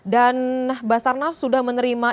dan basarnas sudah menerima